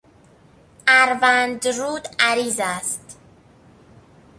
اروندرود عریض است.